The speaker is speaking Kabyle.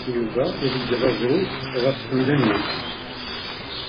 Yuba iḍegger aẓru ɣer temda-nni.